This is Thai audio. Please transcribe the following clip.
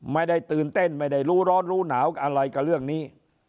ไม่ได้ตื่นเต้นไม่ได้รู้ร้อนรู้หนาวอะไรกับเรื่องนี้